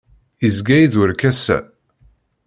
Yezga-iyi-d werkas-a.